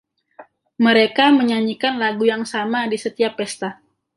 Mereka menyanyikan lagu yang sama di setiap pesta.